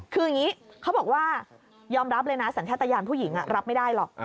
คืออย่างนี้เขาบอกว่ายอมรับเลยนะสัญชาติยานผู้หญิงรับไม่ได้หรอก